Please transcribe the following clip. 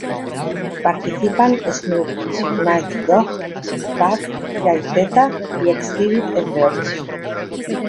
Participan Snoop, Nate Dogg, Tupac, Jay-Z y Xzibit entre otros.